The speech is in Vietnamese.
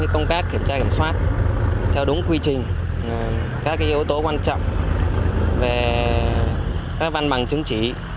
công tác kiểm tra kiểm soát theo đúng quy trình các yếu tố quan trọng về các văn bằng chứng chỉ